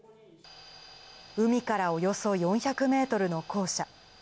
海からおよそ４００メートルの校舎。